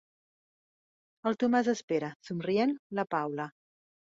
El Tomàs espera, somrient, la Paula.